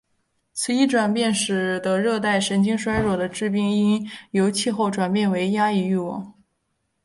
此一转变使得热带神经衰弱的致病因由气候转变为压抑欲望。